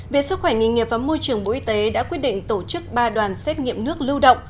viện sức khỏe nghị nghiệp và môi trường bộ y tế đã quyết định tổ chức ba đoàn xét nghiệm nước lưu động